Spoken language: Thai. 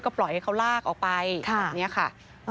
ปล่อยให้เขาลากออกไปแบบนี้ค่ะ